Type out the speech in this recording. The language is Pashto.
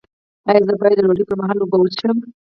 ایا زه باید د ډوډۍ پر مهال اوبه وڅښم؟